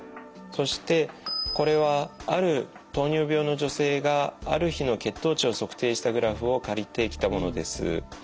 そしてこれはある糖尿病の女性がある日の血糖値を測定したグラフを借りてきたものです。